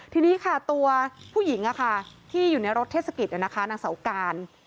ทีนี้ค่ะตัวผู้หญิงที่อยู่ในรถเทศกิจนางเสาการ